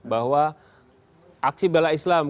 bahwa aksi bela islam